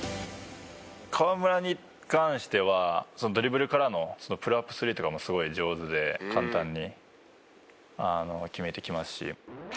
河村に関してはドリブルからのプルアップスリーとかもすごい上手で簡単に決めてきますし。